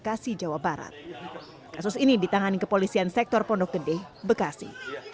kasus ini ditangani kepolisian sektor pondok gede bekasi